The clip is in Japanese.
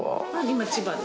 今千葉で。